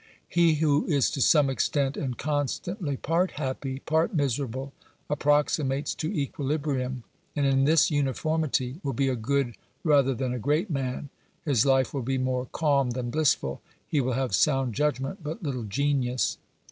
He who is to some extent, and constantly, part happy, part miserable, approximates to equilibrium, and in this uniformity will be a good rather than a great man ; his life will be more calm than blissful, he will have sound judgment but little genius.